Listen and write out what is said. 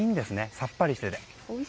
さっぱりしていて。